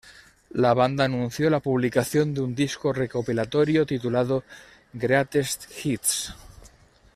La banda anunció la publicación de un disco recopilatorio titulado "Greatest Hits?